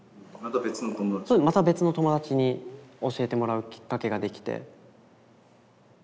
また別の友達に教えてもらうキッカケができて。